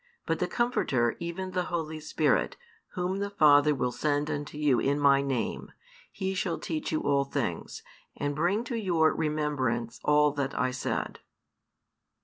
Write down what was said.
But the Comforter, even the Holy Spirit, Whom the Father will send unto you in My Name, He shall teach you all things, and bring to your remembrance all that I said.